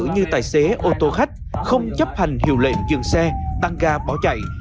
như tài xế ô tô khách không chấp hành hiệu lệ trường xe tăng ga bỏ chạy